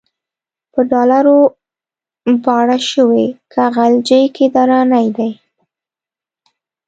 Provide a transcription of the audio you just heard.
په ډالرو باړه شوی، که غلجی که درانی دی